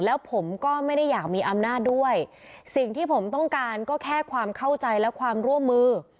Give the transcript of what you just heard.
แล้วผมก็ไม่ได้อยากมีอำนาจด้วยสิ่งที่ผมต้องการก็แค่ความเข้าใจและความร่วมมือ